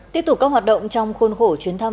tiếp tục các hoạt động trong khuôn khổ chuyến thăm